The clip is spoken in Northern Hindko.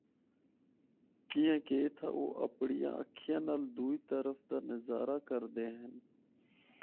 کیانکہ اِتھا او اپنڑیا اکھیاں نال دوئی طرفا دا نظارہ کردے ہن۔